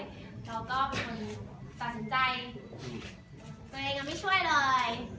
เราก็ตัดสินใจแต่ยังไม่ช่วยเลย